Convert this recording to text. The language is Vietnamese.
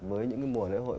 với những cái mùa lễ hội